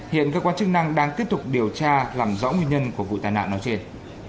hiện cơ quan chức năng đang tiếp tục điều tra làm rõ nguyên nhân của vụ tai nạn nói trên